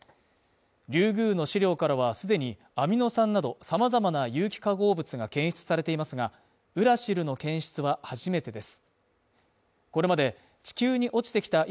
リュウグウの試料からは既に、アミノ酸など、様々な有機化合物が検出されていますが、ウラシルの検出は初めてです。